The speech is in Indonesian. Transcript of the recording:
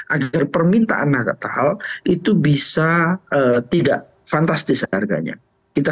agar permintaan natal itu bisa tidak fantastis harganya